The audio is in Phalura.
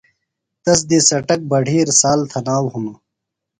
تس دی څٹک، بڈِھیر، سال، تھناؤ ہِنوۡ۔